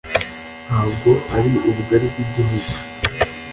ntabwo ari ubugali bw’igihugu